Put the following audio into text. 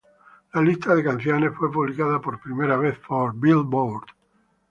La lista de canciones fue publicada por primera vez por "Billboard".